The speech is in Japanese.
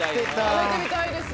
食べてみたいです。